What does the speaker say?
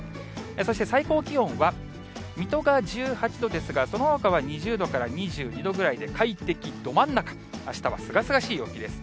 そして、最高気温は、水戸が１８度ですが、そのほかは２０度から２２度ぐらいで、快適ど真ん中、あしたはすがすがしい陽気です。